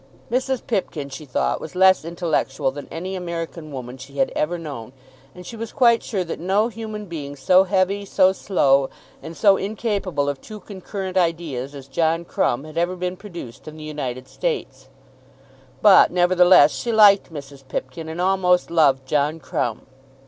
Mrs. Pipkin, she thought, was less intellectual than any American woman she had ever known; and she was quite sure that no human being so heavy, so slow, and so incapable of two concurrent ideas as John Crumb had ever been produced in the United States; but, nevertheless, she liked Mrs. Pipkin, and almost loved John Crumb.